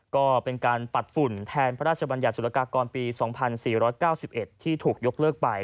ก็เป็นการปัดฝุ่นแทนพระราชบัญญัติศุลกากรปี๒๔๙๑ที่ถูกยกเลิกไป